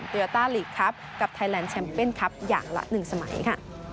โยต้าลีกครับกับไทยแลนดแชมเป้นครับอย่างละ๑สมัยค่ะ